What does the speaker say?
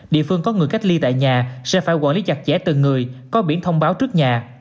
địa phương có người cách ly tại nhà sẽ phải quản lý chặt chẽ từng người có biển thông báo trước nhà